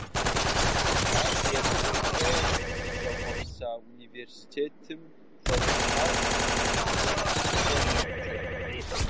Ар зэрыцӀыкӀурэ зыщӀэхъуэпса университетым щӀэтӀысхьащ, иджы фӏэфӏу йоджэ.